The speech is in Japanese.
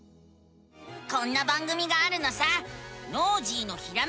こんな番組があるのさ！